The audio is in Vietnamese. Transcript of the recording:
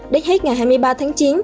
đến hết ngày hai mươi ba tháng chín